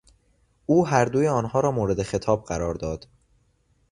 او هر دوی آنها را مورد خطاب قرار داد.